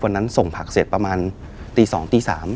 วันนั้นส่งผักเสร็จประมาณตี๒ตี๓